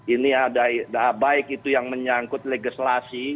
ini ada baik itu yang menyangkut legislasi